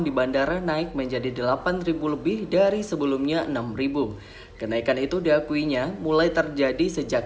di bandara naik menjadi delapan lebih dari sebelumnya enam ribu kenaikan itu diakuinya mulai terjadi sejak